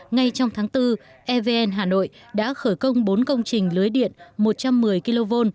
ngay trong tháng bốn evn hà nội đã khởi công bốn công trình lưới điện một trăm một mươi kv